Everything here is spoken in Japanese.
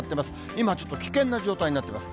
今、ちょっと危険な状態になっています。